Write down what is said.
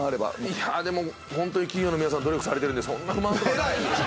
いやぁでもホントに企業の皆さん努力されてるんでそんな不満とか。